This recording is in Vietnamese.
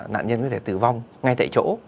nạn nhân có thể tử vong ngay tại chỗ